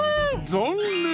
残念！